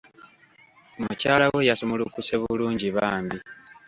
Mukyala we yasumulukuse bulungi bambi